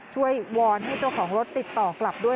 วอนให้เจ้าของรถติดต่อกลับด้วย